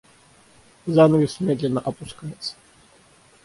Занавес медленно опускается.